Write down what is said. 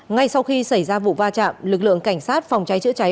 ngay sau khi xảy ra vụ va chạm lực lượng cảnh sát phòng cháy chữa cháy